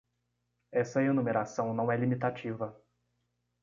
Essa enumeração não é limitativa.